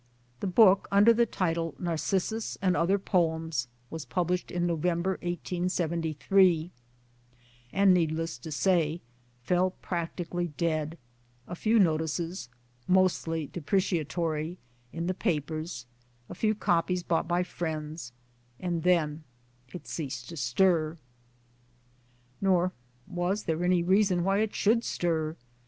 The book, under the title Narcissus, and other Poems, was published in November 1873, and needless to say fell practically dead a few notices, mostly depreciatory, in the papers, a few copies bought by friends, and then it ceased to stir. Nor was there any reason why it should stir.